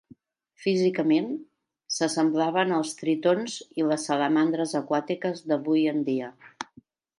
Físicament, s'assemblaven als tritons i les salamandres aquàtiques d'avui en dia.